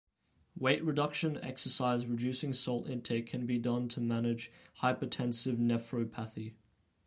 Weight reduction, exercise, reducing salt intake can be done to manage hypertensive nephropathy.